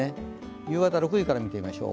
夕方６時から見てみましょう。